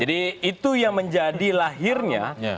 jadi itu yang menjadi lahirnya